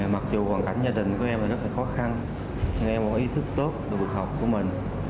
mặc dù hoàn cảnh gia đình của em rất là khó khăn nhưng em cũng có ý thức tốt về vượt học của mình